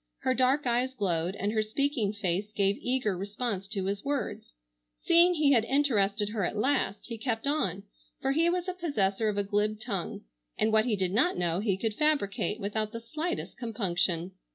Her dark eyes glowed and her speaking face gave eager response to his words. Seeing he had interested her at last, he kept on, for he was possessor of a glib tongue, and what he did not know he could fabricate without the slightest compunction.